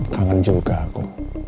kangen juga aku